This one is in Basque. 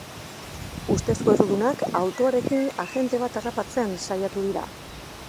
Ustezko errudunak autoarekin agente bat harrapatzen saiatu dira.